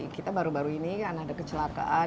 kita baru baru ini kan ada kecelakaan